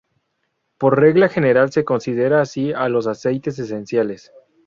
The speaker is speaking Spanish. Por regla general se consideran así a los aceites esenciales.